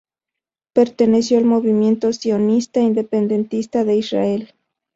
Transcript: Perteneció al movimiento sionista independentista de Israel.